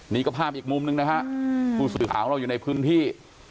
นี่ก็ภาพอีกมุมหนึ่งนะฮะผู้สื่อข่าวของเราอยู่ในพื้นที่